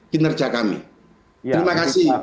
kinerja kami terima kasih pak toto